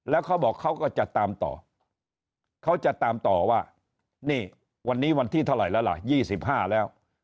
แล้วเขาบอกเขาก็จะตามต่อเขาจะตามต่อว่านี่วันนี้วันที่เท่าไหร่แล้วล่ะ๒๕แล้ว